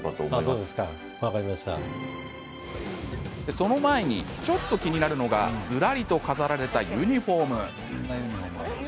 その前に、ちょっと気になるのがずらりと飾られたユニフォーム。